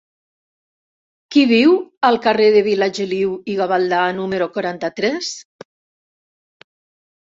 Qui viu al carrer de Vilageliu i Gavaldà número quaranta-tres?